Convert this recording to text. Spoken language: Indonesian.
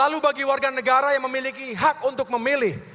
lalu bagi warga negara yang memiliki hak untuk memilih